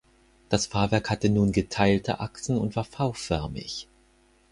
Das Fahrwerk hatte nun geteilte Achsen und war V-förmig.